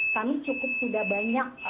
kami cukup sudah banyak